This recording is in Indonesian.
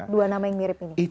dua nama yang mirip ini